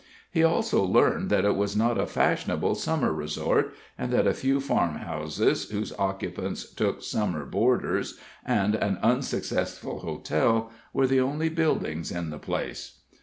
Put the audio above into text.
He also learned that it was not a fashionable Summer resort, and that a few farmhouses (whose occupants took Summer boarders) and an unsuccessful hotel were the only buildings in the place.